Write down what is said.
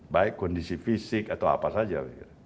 baik kondisi fisik atau apa saja